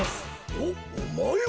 おおまえは！